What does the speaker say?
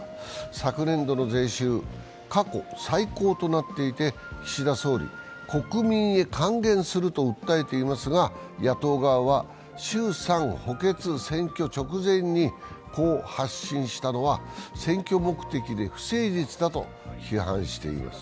昨年度の税収、過去最高となっていて岸田総理、国民へ還元すると訴えていますが、野党側は衆・参補欠選挙直前にこう発信したのは選挙目的で不誠実だと批判しています。